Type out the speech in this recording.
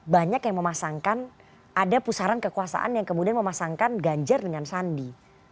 banyak yang memasangkan ada pusaran kekuasaan yang kemudian memasangkan ganjar dengan sandi